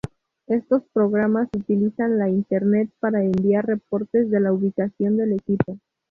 Estos programas utilizan la Internet para enviar reportes de la ubicación del equipo.